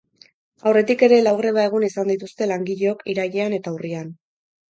Aurretik ere lau greba egun izan dituzte langileok irailean eta urrian.